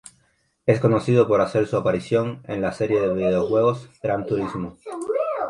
Es conocido por hacer su apariciones en la serie de videojuegos "Gran Turismo".